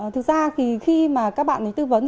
thực ra khi các bạn tư vấn